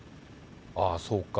ああ、そうか。